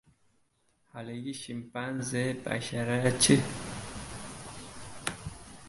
— Haligi, shimpanze bashara-chi?